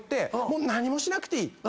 もう何もしなくていい。